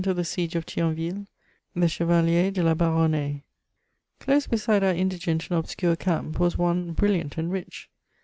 OS* THE SIEGE OF TmOKVILLE — THE CHEVAUEB DB X^ BASOmrAIB. CiiOSE beside our indigent and obscure camp was one bril liant and rich.